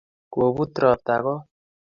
kobut robta koot